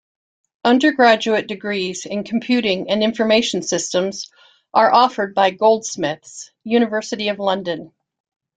Undergraduate degrees in Computing and Information Systems are offered by Goldsmiths, University of London.